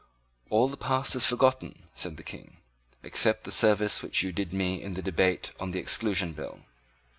"All the past is forgotten," said the King, "except the service which you did me in the debate on the Exclusion Bill."